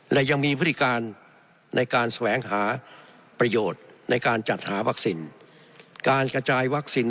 และยังมีพฤติการในการแสวงหาประโยชน์ในการจัดหาวัคซิน